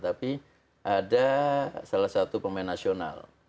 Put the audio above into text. tapi ada salah satu pemain nasional